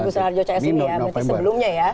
agus harjo caya saat ini ya berarti sebelumnya ya